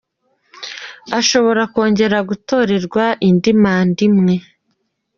Ashobora kongera gutorerwa indi manda imwe”.